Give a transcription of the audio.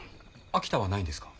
秋田はないんですか？